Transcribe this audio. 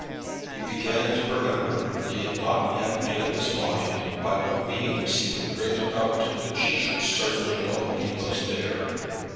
He began to remember that he had not yet made up his mind by what means he would bring it about that she should certainly know that he was there.